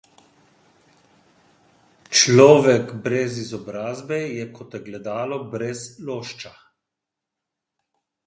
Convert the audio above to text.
Človek brez izobrazbe je kot ogledalo brez lošča.